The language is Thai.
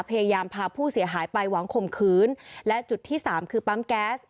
พยายามพาผู้เสียหายไปหวังข่มขืนและจุดที่สามคือปั๊มแก๊ส